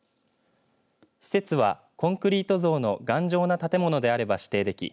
施設は、コンクリート造の頑丈な建物であれば指定でき